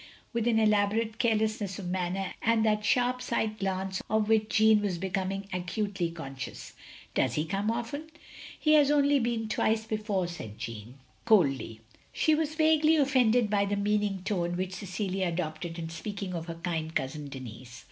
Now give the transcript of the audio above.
with an elaborate carelessness of manner and that sharp side glance of which Jeanne was becoming acutely conscious. "Does he come often?" "He has only been twice before," said Jeanne, coldly. She was vaguely offended by the meaning tone which Cecilia adopted in speaking of her kind cousin Denis.